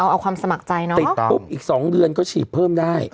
เอาความสมัครใจเนาะติดปุ๊บอีก๒เดือนก็ฉีดเพิ่มได้